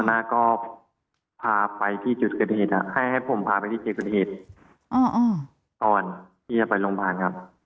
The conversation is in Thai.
หัวหน้าก็พาไปที่จุดผิดเหตุอะให้ผมพาไปเธอที่หัวตัวเหตุ